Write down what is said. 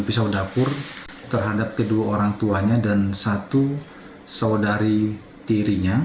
pisau dapur terhadap kedua orang tuanya dan satu saudari tirinya